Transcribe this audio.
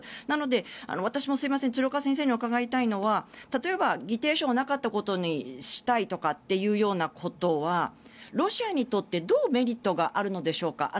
なので、私も鶴岡先生にお伺いしたいのは例えば議定書がなかったことにしたいということはロシアにとってどうメリットがあるのでしょうか。